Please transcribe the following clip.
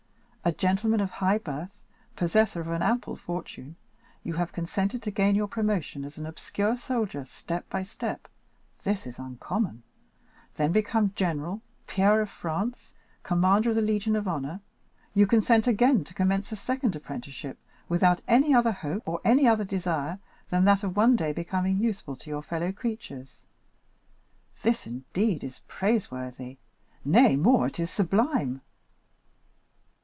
"A gentleman of high birth, possessor of an ample fortune, you have consented to gain your promotion as an obscure soldier, step by step—this is uncommon; then become general, peer of France, commander of the Legion of Honor, you consent to again commence a second apprenticeship, without any other hope or any other desire than that of one day becoming useful to your fellow creatures; this, indeed, is praiseworthy,—nay, more, it is sublime."